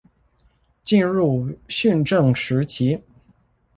進入訓政時期